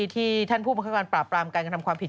ที่ท่านผู้บังคับการปราบปรามการกระทำความผิด